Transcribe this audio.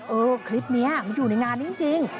เออคลิปนี้มันอยู่ในงานนี้จริง